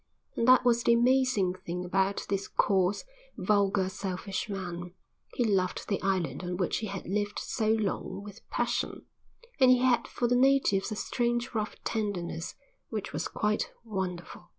And that was the amazing thing about this coarse, vulgar, selfish man; he loved the island on which he had lived so long with passion, and he had for the natives a strange rough tenderness which was quite wonderful.